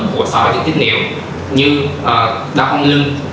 của sọ đường tích niệm như đau con lưng